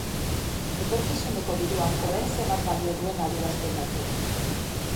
Etorkizuneko diruak orain zenbat balio duen adierazten baitu.